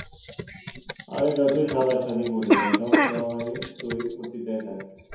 আরে যতই সাদা শাড়ি পড়ে নে, সবসময় তুই পতিতাই থাকবি!